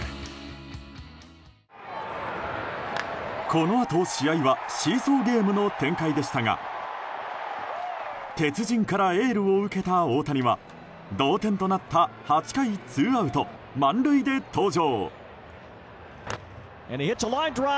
このあと、試合はシーソーゲームの展開でしたが鉄人からエールを受けた大谷は同点となった８回ツーアウト満塁で登場。